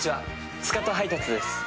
スカッと配達です。